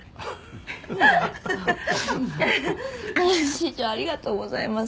師長ありがとうございます。